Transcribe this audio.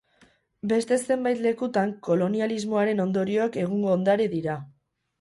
Beste zenbait lekutan kolonialismoaren ondorioak egungo ondare dira.